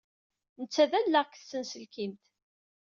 Netta d allaɣ deg tsenselkimt.